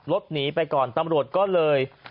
รถหนีไปก่อนตำรวจก็เลย